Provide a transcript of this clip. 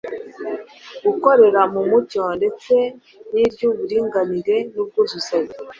gukorera mu mucyo ndetse n’iry’uburinganire n’ubwuzuzanye